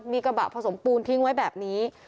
มีกระบะผสมปูนทิ้งไว้แบบนี้